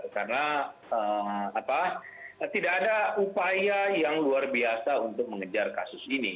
karena tidak ada upaya yang luar biasa untuk mengejar kasus ini